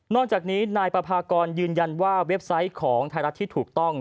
จากนี้นายประพากรยืนยันว่าเว็บไซต์ของไทยรัฐที่ถูกต้อง